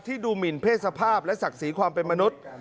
ดูหมินเพศสภาพและศักดิ์ศรีความเป็นมนุษย์